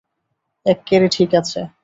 এক্কেরে ঠিক আছে!